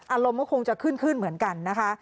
อารมณ์ก็คงจะขึ้นขึ้นเหมือนกันนะคะ